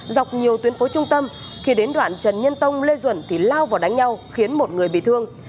dọc nhiều tuyến phố trung tâm khi đến đoạn trần nhân tông lê duẩn thì lao vào đánh nhau khiến một người bị thương